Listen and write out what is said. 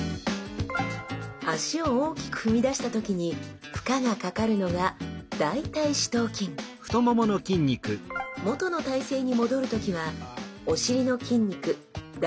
足を大きく踏み出した時に負荷がかかるのが元の体勢に戻る時はお尻の筋肉大臀筋が作用します。